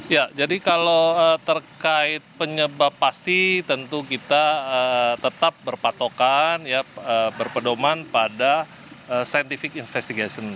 ya jadi kalau terkait penyebab pasti tentu kita tetap berpatokan ya berpedoman pada scientific investigation